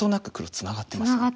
ツナがってますね。